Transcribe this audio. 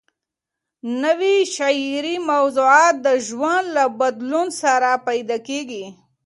نوي شعري موضوعات د ژوند له بدلون سره پیدا کېږي.